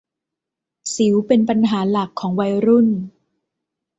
สิวเป็นปัญหาหลักของวัยรุ่น